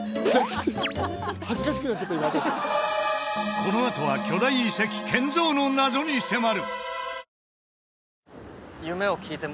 このあとは巨大遺跡建造の謎に迫る！